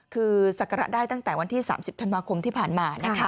คือศักระได้ตั้งแต่วันที่๓๐ธันวาคมที่ผ่านมานะคะ